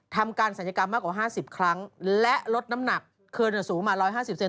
ทำการศัลยกรรมมากกว่า๕๐ครั้งและลดน้ำหนักเกินสูงมา๑๕๐เซน